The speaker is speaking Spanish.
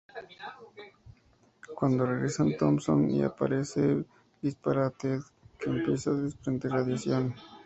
Cuando regresan, Thompson aparece y dispara a Ted, que empieza a desprender radiación.